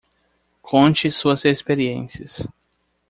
Conte suas experiências.